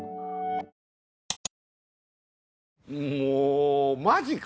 もうマジか！